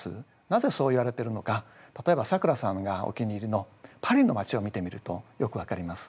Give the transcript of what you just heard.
なぜそういわれてるのか例えばさくらさんがお気に入りのパリの街を見てみるとよく分かります。